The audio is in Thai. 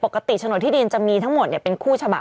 ปกติโฉนดที่ดินจะมีทั้งมดเนี่ยเป็นคู่ฉบับ